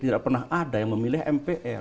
tidak pernah ada yang memilih mpr